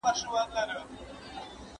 ¬ کار چي بې استا سي، بې معنا سي.